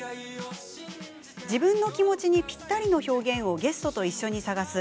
自分の気持ちにぴったりの表現をゲストと一緒に探す